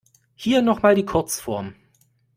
Hier noch mal die Kurzform.